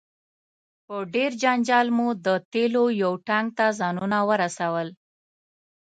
په ډیر جنجال مو د تیلو یو ټانک ته ځانونه ورسول.